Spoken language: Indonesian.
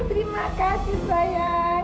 terima kasih sayang